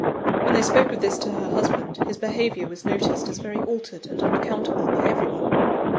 When they spoke of this to her husband, his behaviour was noticed as very altered and unaccountable by every one.